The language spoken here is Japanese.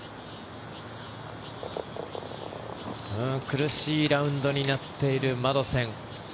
苦しいラウンドになっているマドセン。